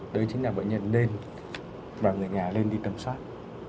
đấy chính là bệnh nhân nên và người nhà lên đi tầm soát